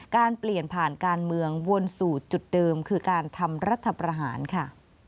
การเปลี่ยนผ่านการเมืองวนสู่จุดเดิมคือการทำรัฐประหารค่ะ